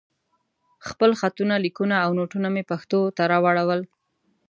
خپل خطونه، ليکونه او نوټونه مې پښتو ته راواړول.